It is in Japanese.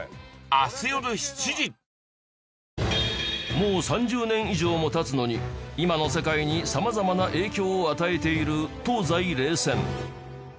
もう３０年以上も経つのに今の世界に様々な影響を与えている東西冷戦